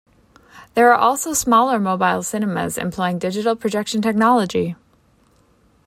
There are also smaller mobile cinemas employing digital projection technology.